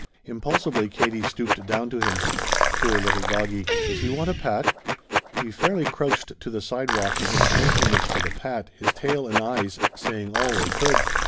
Impulsively Katie stooped down to him. "Poor little doggie, does he want a pat?" He fairly crouched to the sidewalk in his thankfulness for the pat, his tail and eyes saying all they could.